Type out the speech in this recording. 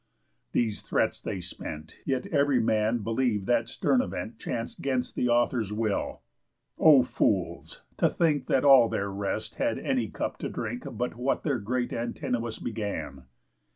These threats they spent, Yet ev'ry man believ'd that stern event Chanc'd 'gainst the author's will. O fools, to think That all their rest had any cup to drink But what their great Antinous began!